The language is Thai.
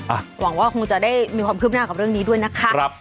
หวังว่าคงจะได้มีความคืบหน้ากับเรื่องนี้ด้วยนะคะครับ